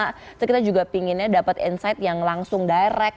terus kita juga pinginnya dapat insight yang langsung direct